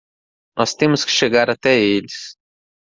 Nós temos que chegar até eles!